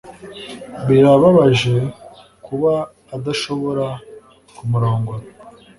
Birababaje kuba adashobora kumurongora